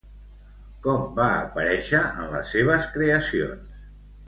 Com va aparèixer en les seves creacions?